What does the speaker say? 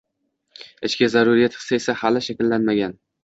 ichki zaruriyat hissi esa hali shakllanmagan.